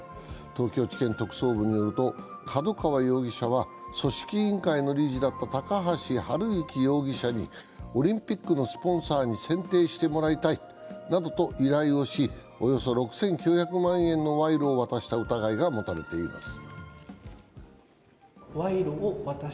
東京地検特捜部によると角川容疑者は組織委員会の理事だった高橋治之容疑者にオリンピックのスポンサーに選定してもらいたいなどと依頼をしおよそ６９００万円の賄賂を渡した疑いが持たれています。